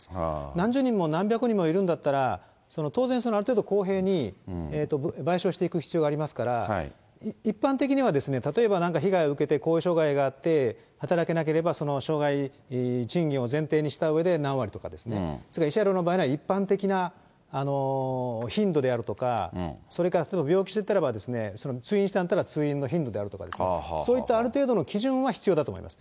何十人も何百人もいるんだったら、当然、ある程度公平に、賠償していく必要がありますから、一般的には例えばなんか被害を受けて後遺障害があって、働けなければ、その生涯賃金を前提にしたうえで何割とかですね、それから慰謝料の場合には、一般的な頻度であるとか、それから例えば病気してたらばですね、通院してたら、通院の頻度であるとか、そういったある程度の基準は必要だと思います。